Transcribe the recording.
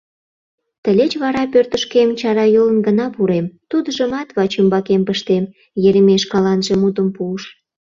«Тылеч вара пӧртышкем чарайолын гына пурем, тудыжымат вачӱмбакем пыштем», — Еремей шкаланже мутым пуыш.